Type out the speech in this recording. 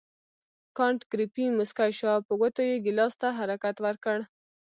کانت ګریفي مسکی شو او په ګوتو یې ګیلاس ته حرکت ورکړ.